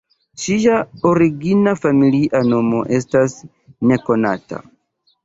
Ŝia origina familia nomo estas nekonata.